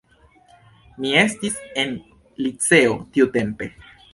Mi estis en liceo tiutempe.